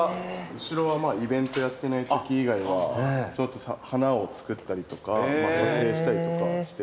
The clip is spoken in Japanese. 後ろはイベントやってないとき以外は花を作ったりとか撮影したりとかしてるんですけど。